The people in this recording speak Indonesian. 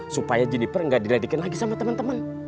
supaya janiper gak diladekin lagi sama temen temen